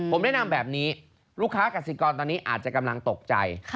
ผมแนะนำแบบนี้ลูกค้ากสิกรตอนนี้อาจจะกำลังตกใจ